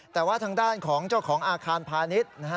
แต่ว่าทางด้านของเจ้าของอาคารพาณิชย์นะฮะ